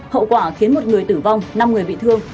hậu quả khiến một người tử vong năm người bị thương